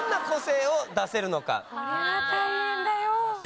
これは大変だよ。